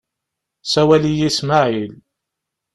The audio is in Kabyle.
Sawal-iyi Smaεil.